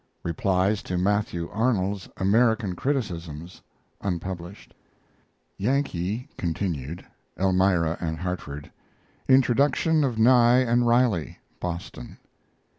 Replies to Matthew Arnold's American criticisms (unpublished). YANKEE continued (Elmira and Hartford). Introduction of Nye and Riley (Boston).